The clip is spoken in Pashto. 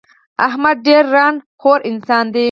احمد ډېر ًران خور انسان دی.